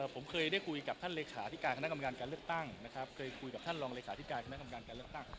ผมเคยได้คุยกับท่านเลขาที่การคณะกรรมการการเลือกตั้งนะครับเคยคุยกับท่านรองเลขาธิการคณะกรรมการการเลือกตั้ง